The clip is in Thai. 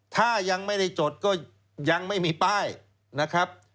ถ้ายังไม่ได้จดก็ยังไม่มีป้ายนะครับ